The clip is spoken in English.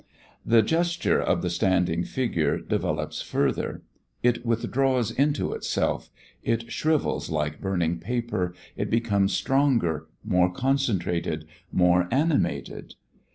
The gesture of the standing figure develops further. It withdraws into itself, it shrivels like burning paper, it becomes stronger, more concentrated, more animated.